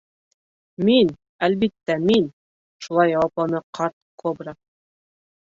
— Мин, әлбиттә, мин, — шулай яуапланы ҡарт кобра.